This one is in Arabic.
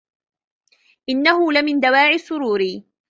إنه لمن دواعي سروري.